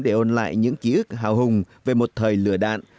để ôn lại những ký ức hào hùng về một thời lửa đạn